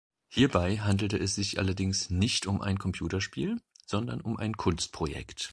Hierbei handelte es sich allerdings nicht um ein Computerspiel, sondern um ein Kunstprojekt.